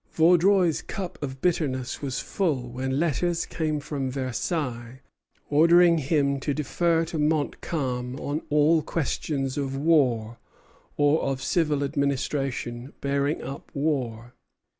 Vaudreuil's cup of bitterness was full when letters came from Versailles ordering him to defer to Montcalm on all questions of war, or of civil administration bearing upon war.